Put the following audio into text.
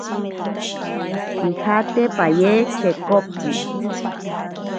Pijate paye chekopi.